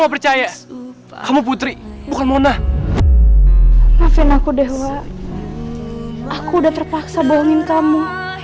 percaya kamu putri bukan mona maafin aku dewa aku udah terpaksa bohongin kamu